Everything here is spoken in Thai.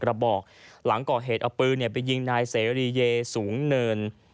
กระบอกหลังก่อเหตุเอาปืนไปยิงนายเสรีเยสูงเนิน